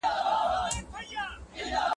په لاس خط لیکل د منفي انرژی د وتلو لاره ده.